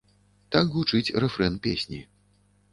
Так гучыць рэфрэн песні.